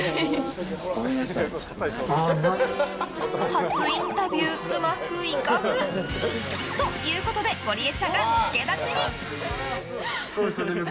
初インタビューうまくいかず。ということでゴリエちゃんが助太刀に。